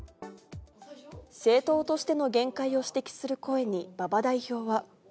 政党としての限界を指摘する声に、馬場代表は。